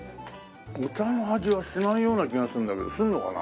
お茶の味はしないような気がするんだけどするのかな？